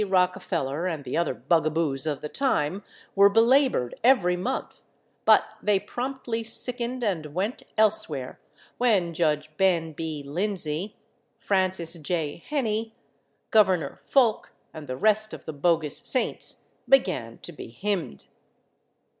Rockefeller and the other bugaboos of the time were belabored every month, but they promptly sickened and went elsewhere when Judge Ben B. Lindsey, Francis J. Heney, Governor Folk and the rest of the bogus saints began to be hymned.